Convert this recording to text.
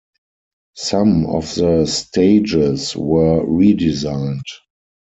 Some of the stages were redesigned.